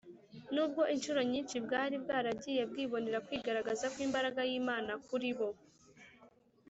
nubwo incuro nyinshi bwari bwaragiye bwibonera kwigaragaza kw’imbaraga y’imana kuri bo.